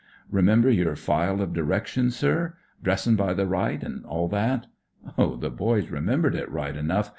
Remember your file of direction, sir; dressin' by the right; an' all that. Oh, the boys remembered it right enough.